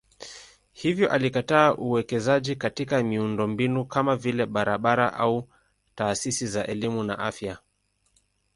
Hivyo alikataa uwekezaji katika miundombinu kama vile barabara au taasisi za elimu na afya.